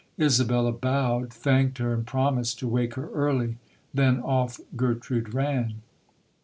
Isabella bowed, thanked her and promised to wake her early; then off Ger trude ran.